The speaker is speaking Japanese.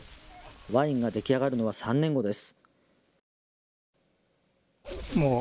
ワインが出来上がるのは３年後です。